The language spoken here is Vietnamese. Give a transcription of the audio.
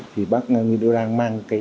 thì bác nguyễn đức đang mang cái